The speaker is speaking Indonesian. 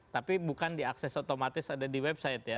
tapi bukan diakses otomatis ada di website ya